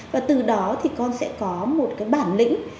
và từ đó thì con sẽ có một cái bản lĩnh